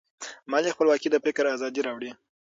مالي خپلواکي د فکر ازادي راوړي.